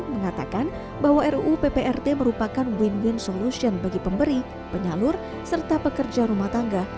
mengatakan bahwa ruu pprt merupakan win win solution bagi pemberi penyalur serta pekerja rumah tangga